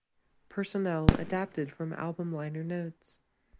Personnel adapted from album liner notes.